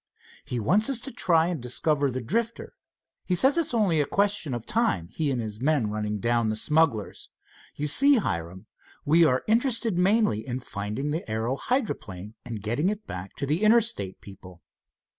"He wants us to try and discover the Drifter. He says it's only a question of time, he and his men running down the smugglers. You see, Hiram, we are interested mainly in finding the aero hydroplane, and getting it back to the Interstate people."